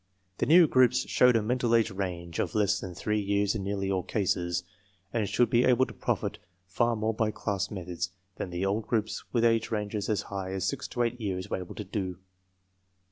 The new groups show a mental age range of less than three years in nearly all cases, and should be able to profit far more by "class methods" than the old groups with age ranges as high as 6 to 8 years were able to do.